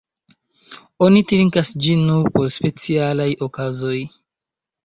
Oni trinkas ĝin nur por specialaj okazoj.